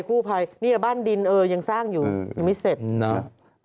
กูไพนี่คือบ้านดินจะสร้างอยู่ยังไม่เสร็จใช่ไหม